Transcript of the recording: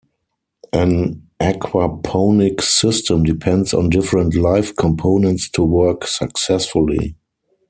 An aquaponic system depends on different live components to work successfully.